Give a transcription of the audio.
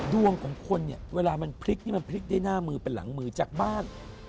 ดวงของคนเนี่ยเวลามันพลิกนี่มันพลิกได้หน้ามือเป็นหลังมือจากบ้าน